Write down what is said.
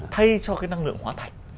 thay cho cái năng lượng hóa thạch